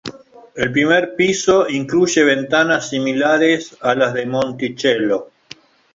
El primer piso incluye ventanas similares a las de Monticello.